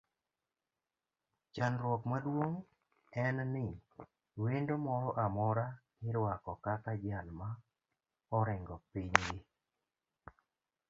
Chandruok maduong en ni wendo moro amora iruako kaka jal ma oringo piny gi.